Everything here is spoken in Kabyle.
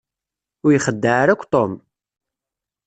Ur ixeddeɛ ara akk Tom.